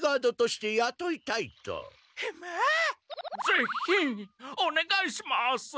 ぜひおねがいします！